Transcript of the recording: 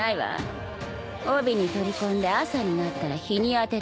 帯に取り込んで朝になったら日に当てて殺してあげる。